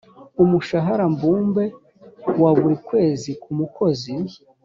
umushahara mbumbe wa buri kwezi ku mukozi